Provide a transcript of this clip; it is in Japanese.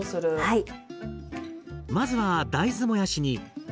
はい。